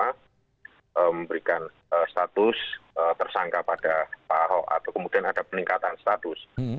karena memberikan status tersangka pada pak ahok atau kemudian ada peningkatan status